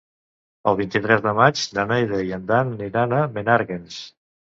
El vint-i-tres de maig na Neida i en Dan aniran a Menàrguens.